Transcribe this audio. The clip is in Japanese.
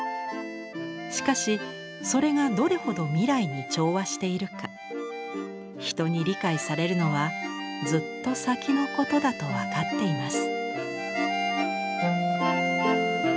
しかしそれがどれほど未来に調和しているか人に理解されるのはずっと先のことだとわかっています」。